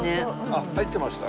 あっ入ってました？